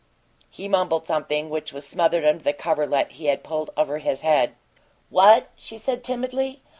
He mumbled something which was smothered under the coverlet he had pulled over his head. "What?" she said, timidly.